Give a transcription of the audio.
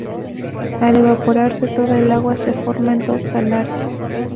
Al evaporarse toda el agua se forman los salares.